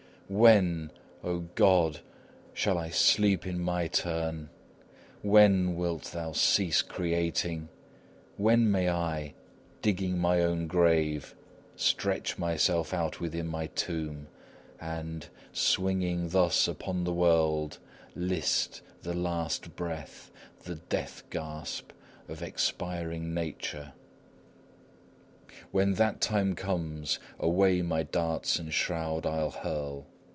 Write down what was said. When, O God! shall I sleep in my turn? When wilt Thou cease creating? When may I, digging my own grave, stretch myself out within my tomb, and, swinging thus upon the world, list the last breath, the death gasp, of expiring nature? When that time comes, away my darts and shroud I'll hurl.